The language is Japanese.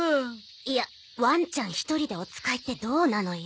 いやワンちゃん１人でお使いってどうなのよ。